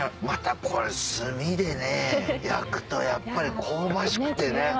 またこれ炭で焼くとやっぱり香ばしくてね。